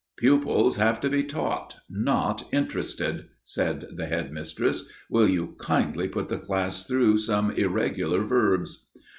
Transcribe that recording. "Pupils have to be taught, not interested," said the head mistress. "Will you kindly put the class through some irregular verbs."